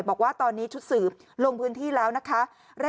อ้อฟ้าอ้อฟ้าอ้อฟ้า